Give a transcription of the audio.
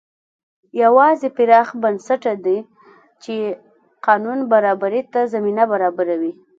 یوازې پراخ بنسټه دي چې قانون برابرۍ ته زمینه برابروي.